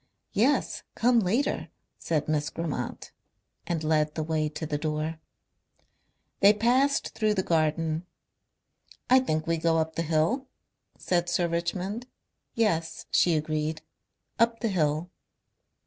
"Yes, come later," said Miss Grammont and led the way to the door. They passed through the garden. "I think we go up the hill? " said Sir Richmond. "Yes," she agreed, "up the hill."